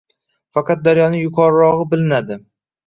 Faqat daryoning yuqorirog‘i bilinadi